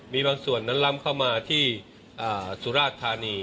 มีบางส่วนนั้นล้ำเข้ามาที่สุราชธานี